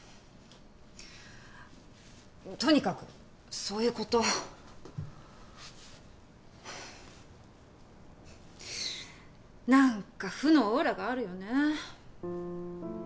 とにかくそういうこと何か負のオーラがあるよね